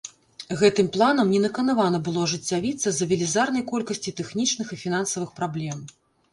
Гэтым планам не наканавана было ажыццявіцца з-за велізарнай колькасці тэхнічных і фінансавых праблем.